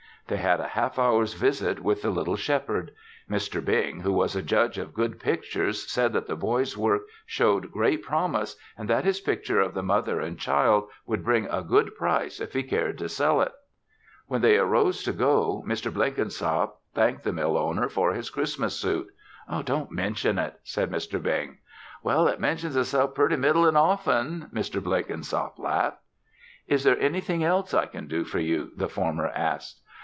They had a half hour's visit with the little Shepherd. Mr. Bing, who was a judge of good pictures, said that the boy's work showed great promise and that his picture of the mother and child would bring a good price if he cared to sell it. When they arose to go, Mr. Blenkinsop thanked the mill owner for his Christmas suit. "Don't mention it," said Mr. Bing. "Well, it mentions itself purty middlin' often," Mr. Blenkinsop laughed. "Is there anything else I can do for you?" the former asked.